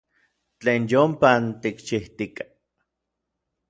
Tlen yompa n tikchijtikaj.